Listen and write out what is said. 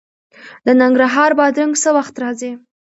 د ننګرهار بادرنګ څه وخت راځي؟